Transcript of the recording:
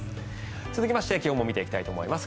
続きまして、気温も見ていきたいと思います。